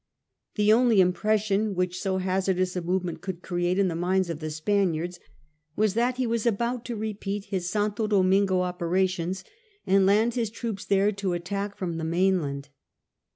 The only impression which so hazardous a movement could create in the minds of the Spaniards was that he was about to repeat his St. Domingo opera tions, and land his troops there to attack from the main land.